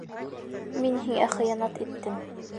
Мин һиңә хыянат иттем.